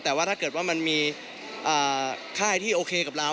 แต่ว่าถ้าเกิดว่ามันมีค่ายที่โอเคกับเรา